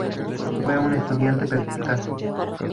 Fue un estudiante perspicaz.